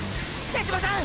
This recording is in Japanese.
手嶋さん！！